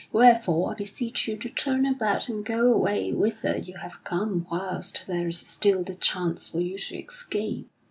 Wherefore I beseech you to turn about and go away whither you have come whilst there is still the chance for you to escape."